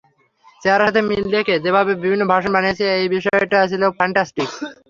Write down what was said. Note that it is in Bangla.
চেহারার সাথে মিল রেখে যেভাবে বিভিন্ন ভার্সন বানিয়েছে এই বিষয়টা ছিল ফ্যান্টাসটিক।